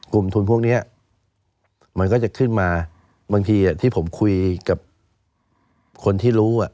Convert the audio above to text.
กลุ่มทุนพวกนี้มันก็จะขึ้นมาบางทีที่ผมคุยกับคนที่รู้